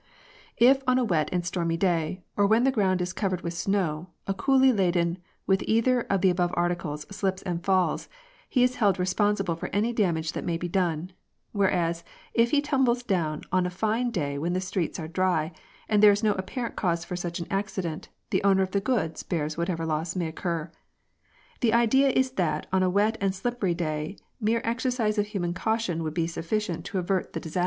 If on a wet and stormy day, or when the ground is covered with snow, a coolie laden with either of the above articles slips and falls, he is held responsible for any damage that may be done ; whereas, if he tumbles down on a fine day when the streets are dry, and there is no apparent cause for such an accident, the owner of the goods bears whatever loss may occur. The idea is that on a wet and slippery day mere exercise of human caution would be sufficient to avert the dis i66 PREDESTINATION.